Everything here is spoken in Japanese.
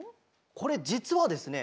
これじつはですね